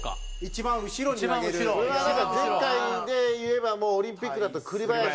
だから前回で言えばもうオリンピックだと栗林。